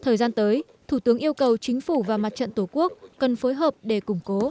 thời gian tới thủ tướng yêu cầu chính phủ và mặt trận tổ quốc cần phối hợp để củng cố